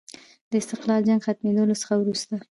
د استقلال جنګ ختمېدلو څخه وروسته.